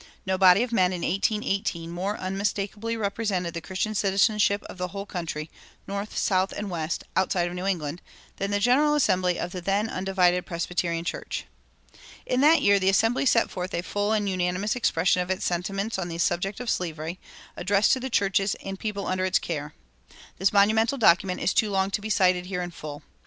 No body of men in 1818 more unmistakably represented the Christian citizenship of the whole country, North, South, and West, outside of New England, than the General Assembly of the then undivided Presbyterian Church. In that year the Assembly set forth a full and unanimous expression of its sentiments on the subject of slavery, addressed "to the churches and people under its care." This monumental document is too long to be cited here in full.